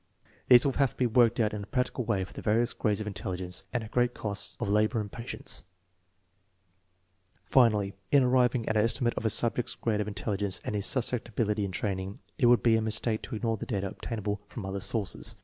These will have to 1 See p. 17. 50 THE MEASUREMENT OF INTELLIGENCE be worked out in a practical way for the various grades of intelligence, and at great cost of labor and patience. Finally, in arriving at an estimate of a subject's grade of intelligence and his susceptibility to training, it would be a mistake to ignore the data obtainable from other sources.